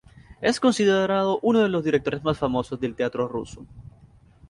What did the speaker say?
Es considerado uno de los directores más famosos del teatro ruso.